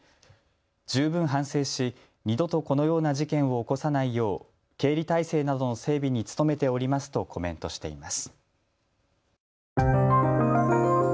十分反省し二度とこのような事件を起こさないよう経理体制などの整備に努めておりますとコメントしています。